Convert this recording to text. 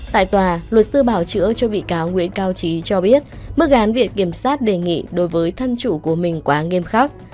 tại tòa luật sư bảo chữa cho bị cáo nguyễn cao trí cho biết mức án viện kiểm sát đề nghị đối với thân chủ của mình quá nghiêm khắc